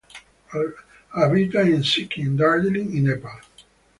Habita en Sikkim, Darjeeling y Nepal.